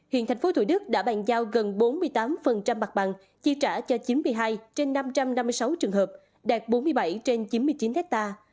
hiện tp thủ đức đã bàn giao gần bốn mươi tám mặt bằng chi trả cho chín mươi hai trên năm trăm năm mươi sáu trường hợp đạt bốn mươi bảy trên chín mươi chín ha